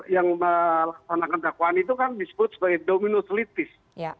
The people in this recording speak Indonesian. yang melaksanakan dakwaan itu kan disebut sebagai dominus litis